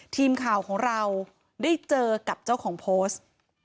ทีมข่าวของเราได้เจอกับเจ้าของโพสต์